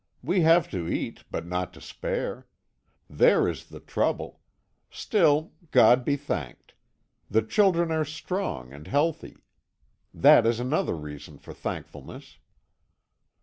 We have to eat, but not to spare; there is the trouble. Still, God be thanked. The children are strong and healthy; that is another reason for thankfulness."